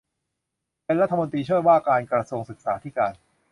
เป็นรัฐมนตรีช่วยว่าการกระทรวงศึกษาธิการ